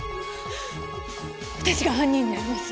私が犯人になります。